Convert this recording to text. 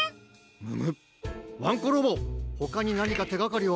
むむっワンコロボほかになにかてがかりは？